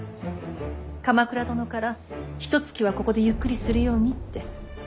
鎌倉殿からひとつきはここでゆっくりするようにって。